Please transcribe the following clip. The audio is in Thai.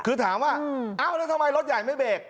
คือถามว่าเอ้าแล้วทำไมรถใหญ่ไม่เบรก